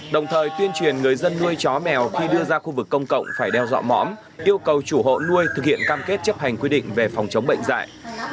đồng thời tuyên truyền người dân nuôi chó mèo khi đưa ra khu vực công cộng phải đeo dọa mõm yêu cầu chủ hộ nuôi thực hiện cam kết chấp hành quy định về phòng chống bệnh dạy